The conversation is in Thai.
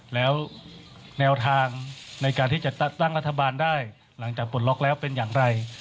แล้วแนวทางในการที่จะตั้งรัฐบาลได้หลังจากปลดล็อกแล้วเป็นอย่างไร